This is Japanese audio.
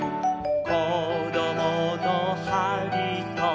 「こどものはりと」